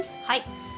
はい。